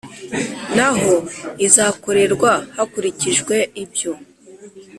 n aho izakorerwa hakurikijwe ibyo